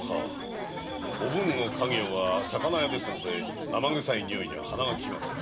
おぶんの家業は魚屋ですので生臭い臭いには鼻が利きます。